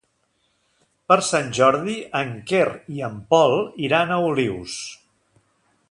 Per Sant Jordi en Quer i en Pol iran a Olius.